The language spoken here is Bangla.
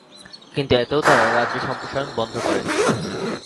কিন্তু এতেও তারা রাজ্য সম্প্রসারণ বন্ধ করেননি।